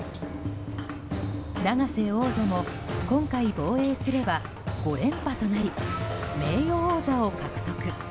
永瀬王座も今回防衛すれば５連覇となり名誉王座を獲得。